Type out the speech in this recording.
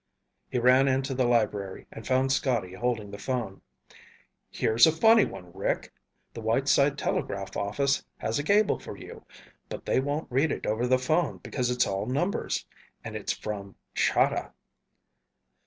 He ran into the library and found Scotty holding the phone. "Here's a funny one, Rick. The Whiteside telegraph office has a cable for you, but they won't read it over the phone because it's all numbers. And it's from Chahda."